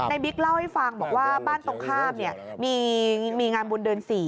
บิ๊กเล่าให้ฟังบอกว่าบ้านตรงข้ามมีงานบุญเดือน๔